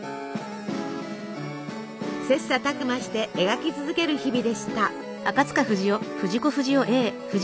切さたく磨して描き続ける日々でした。